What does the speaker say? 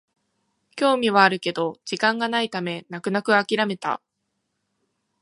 興味はあるけど時間がないため泣く泣くあきらめた